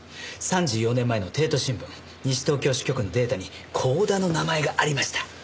３４年前の帝都新聞西東京支局のデータに光田の名前がありました。